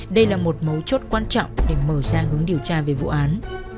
đây là một mấu chốt quan trọng để mở ra hướng điều tra về vụ án